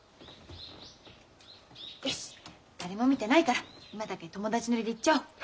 よし誰も見てないから今だけ友達ノリでいっちゃおう。